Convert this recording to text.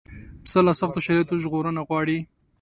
پسه له سختو شرایطو ژغورنه غواړي.